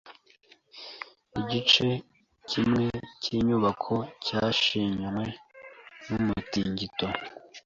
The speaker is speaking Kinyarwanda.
Igice kimwe cyinyubako cyashenywe numutingito.